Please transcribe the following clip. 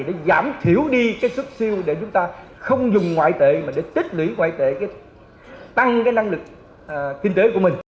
để giảm thiểu đi cái xuất siêu để chúng ta không dùng ngoại tệ mà để tích lũy ngoại tệ tăng cái năng lực kinh tế của mình